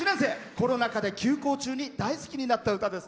コロナ禍で休校中に大好きになった歌です。